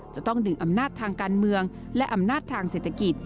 จะต้องดึงอำนาจทางการเมืองและอำนาจทางเศรษฐกิจ